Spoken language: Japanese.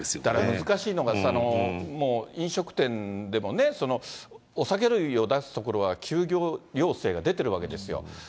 難しいのが、飲食店でもね、お酒類を出すところは休業要請が出てるわけですよ。